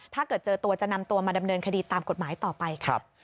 ถ้าเกิดเจอตัวจะนำตัวมาดำเนินคดีตามกฎหมายต่อไปค่ะ